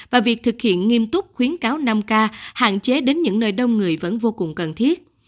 và việc thực hiện nghiêm túc khuyến cáo nam k hạn chế đến những nơi đông người vẫn vô cùng cần thiết